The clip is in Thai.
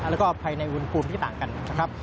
แล้วก็ภายในอุณหภูมิที่ต่างกันนะครับ